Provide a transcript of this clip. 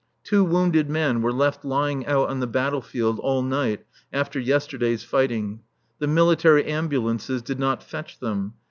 Two wounded men were left lying out on the battle field all night after yesterday's fighting. The military ambulances did not fetch them.